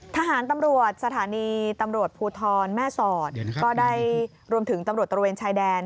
ทหารตำรวจสถานีตำรวจภูทรแม่สอดก็ได้รวมถึงตำรวจตระเวนชายแดน